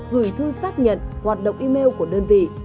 gửi thư xác nhận hoạt động email của đơn vị